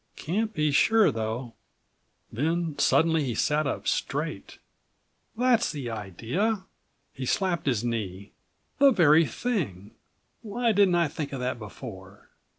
"Can't be sure though." Then, suddenly he sat up straight. "That's the idea." He slapped his knee. "The very86 thing! Why didn't I think of that before?